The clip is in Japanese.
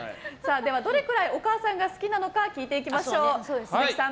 どれくらいお母さんが好きなのか聞いていきましょう。